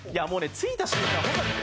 ついた瞬間